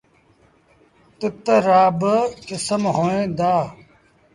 تتر رآ با ڪسم هوئيݩ دآ۔